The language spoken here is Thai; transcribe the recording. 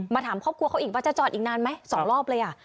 ถามครอบครัวเขาอีกว่าจะจอดอีกนานไหม๒รอบเลยอ่ะ